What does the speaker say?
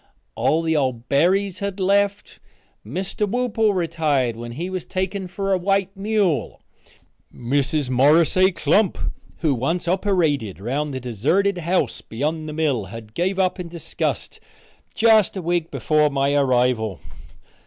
All the old Berrys had left. Mr. Whoople retired when he was taken for a white mule. Mrs. Morris A. Klump, who once oppyrated 'round the deserted house beyond the mill had gave up in disgust just a week before my arrival.